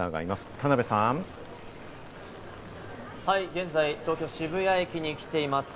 現在、東京・渋谷駅に来ています。